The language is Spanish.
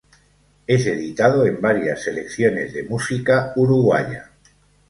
Es editado en varias selecciones de música uruguaya.